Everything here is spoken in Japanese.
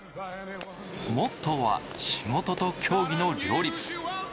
モットーは、仕事と競技の両立。